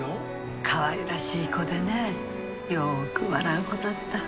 かわいらしい子でねよく笑う子だった。